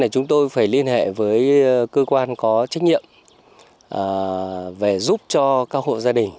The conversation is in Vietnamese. chúng tôi phải liên hệ với cơ quan có trách nhiệm về giúp cho các hộ gia đình